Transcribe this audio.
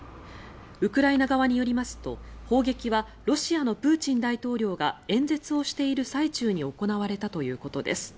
ウクライナ側によりますと砲撃はロシアのプーチン大統領が演説をしている最中に行われたということです。